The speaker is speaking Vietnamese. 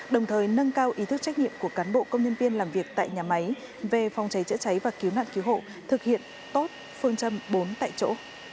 đồng thời nâng cao ý thức trách nhiệm của cán bộ công nhân viên làm việc tại nhà máy về phòng cháy chữa cháy và cứu nạn cứu hộ thực hiện tốt phương châm bốn tại chỗ